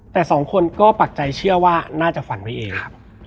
แต่สองคนก็ปักใจเชื่อว่าน่าจะฝันไว้เองครับ